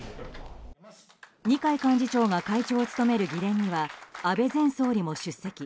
二階幹事長が会長を務める議連には安倍前総理も出席。